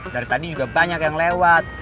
dari tadi juga banyak yang lewat